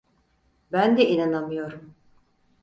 Ben de inanamıyorum.